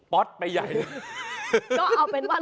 ก็เอาเป็นว่า